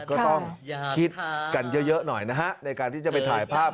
ก็ต้องคิดกันเยอะหน่อยนะฮะในการที่จะไปถ่ายภาพ